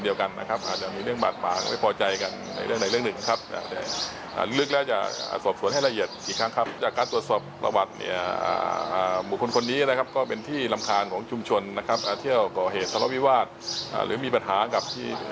อยู่แล้วครับ